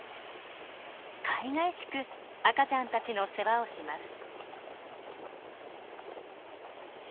かいがいしく赤ちゃんたちの世話をします。